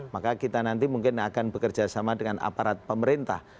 maka kita nanti mungkin akan bekerjasama dengan aparat pemerintah